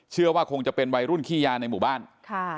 เชื่อว่าคงจะเป็นวัยรุ่นขี้ยาในหมู่บ้านค่ะ